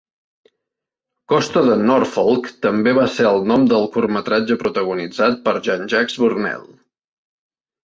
"Costa de Norfolk" també va ser el nom del curtmetratge protagonitzat per Jean Jacques Burnel.